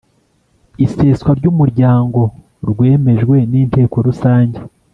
Iseswa ry Umuryango rwemejwe n Inteko Rusange